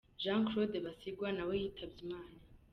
Jean Claude Gasigwa na we yitabye Imana.